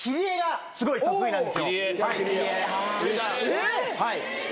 えっ